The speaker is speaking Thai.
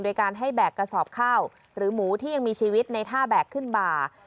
โดยการให้แบกกระสอบข้าวหรือหมูที่ยังมีชีวิตในท่าแบกขึ้นบ่า